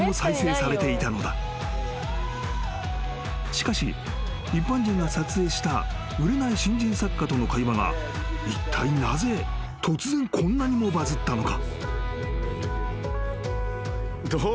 ［しかし一般人が撮影した売れない新人作家との会話がいったいなぜ突然こんなにもバズったのか？］